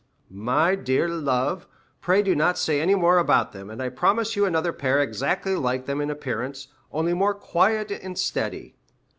"My dear love, pray do not say any more about them, and I promise you another pair exactly like them in appearance, only more quiet and steady."